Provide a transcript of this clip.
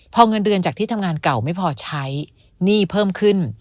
พอเงินเดือนจากที่ทำงานเก่าไม่พอใช้หนี้เพิ่มขึ้น